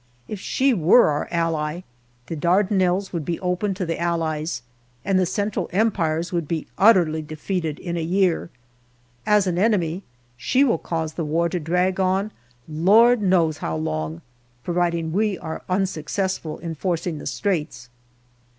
If she were our ally the Dardanelles would be open to the Allies, and the Central Empires would be utterly defeated in a year. As an enemy she will cause the war to drag on Lord knows how long, providing we are unsuccessful 1 in forcing the Straits.